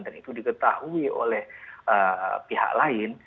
itu diketahui oleh pihak lain